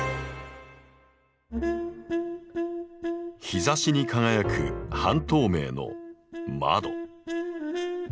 日ざしに輝く半透明の「窓」。